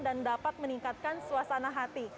dan dapat meningkatkan suasana hati